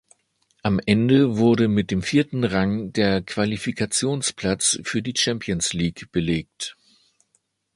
Am Ende wurde mit dem vierten Rang der Qualifikationsplatz für die Champions League belegt.